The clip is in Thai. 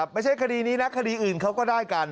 ไม่ใช่คดีนี้นะคดีอื่นเขาก็ได้กัน